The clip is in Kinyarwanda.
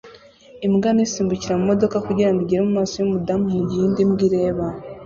Imbwa nto isimbukira mumodoka kugirango igere mumaso yumudamu mugihe indi mbwa ireba